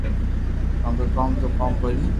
ڪونڪہ ڪوم تو ڪرو ڪوئي ني